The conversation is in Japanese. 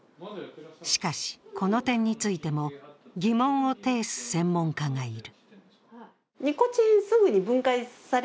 しかし、この点についても疑問を呈す専門家がいる。